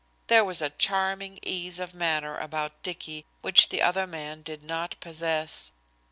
There was a charming ease of manner about Dicky which the other man did not possess.